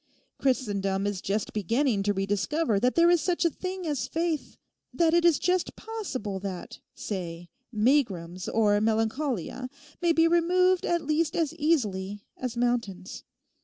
Christendom is just beginning to rediscover that there is such a thing as faith, that it is just possible that, say, megrims or melancholia may be removed at least as easily as mountains.